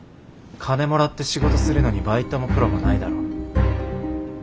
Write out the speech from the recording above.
金もらって仕事するのにバイトもプロもないだろ。